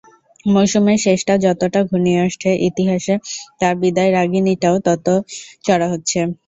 মৌসুমের শেষটা যতই ঘনিয়ে আসছে, ইতিহাদে তাঁর বিদায় রাগিণীটাও ততই চড়া হচ্ছে।